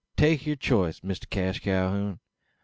Take yur choice, Mister Cash Calhoun.